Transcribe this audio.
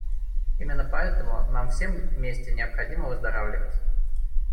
Именно поэтому нам всем вместе необходимо выздоравливать.